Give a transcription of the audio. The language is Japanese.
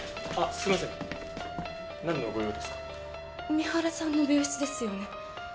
三原さんの病室ですよね？